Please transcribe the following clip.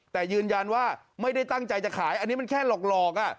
แต่ยืนยันว่าไม่ได้ตั้งใจจะขายอันนี้มันแค่หลอก